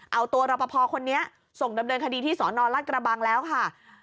เอาตัวรอปภคนนี้ส่งดำเนินคดีที่สนรัฐกระบังแล้วค่ะ